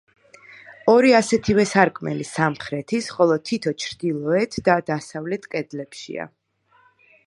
ორი ასეთივე სარკმელი სამხრეთის, ხოლო თითო ჩრდილოეთ და დასავლეთ კედლებშია.